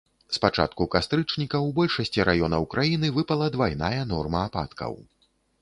З пачатку кастрычніка ў большасці раёнаў краіны выпала двайная норма ападкаў.